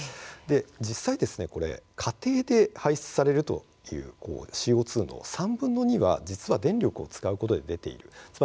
実際、家庭で排出されるＣＯ２の３分の２は電力を使うことで出ています。